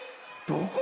どこ？